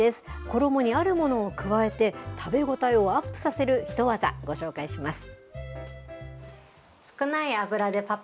衣にあるものを加えて、食べ応えをアップさせるヒトワザ、ご紹介します。